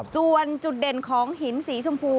ส่วนจุดเด่นของหินสีชมพู